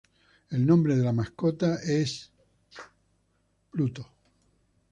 El nombre de la mascota es Petey the Griffin.